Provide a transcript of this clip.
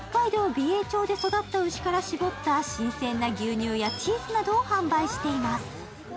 美瑛町で絞った牛から作った新鮮な牛乳やチーズなどを販売しています。